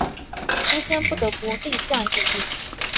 朱谦不得不力战抵御。